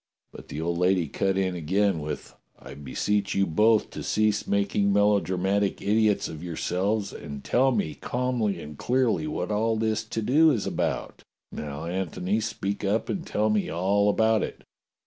But the old lady cut in again with: "I beseech you both to cease making melodramatic idiots of yourselves and tell me calmly and clearly what all this to do is about. Now, Antony, speak up and tell me all about it.